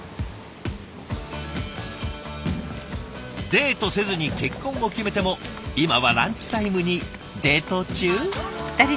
デートせずに結婚を決めても今はランチタイムにデート中。